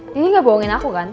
gak bohongin aku kan